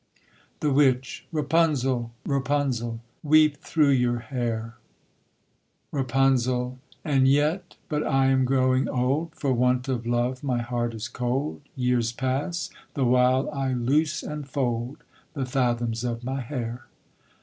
THE WITCH. Rapunzel, Rapunzel, Weep through your hair! RAPUNZEL. And yet: but I am growing old, For want of love my heart is cold; Years pass, the while I loose and fold The fathoms of my hair.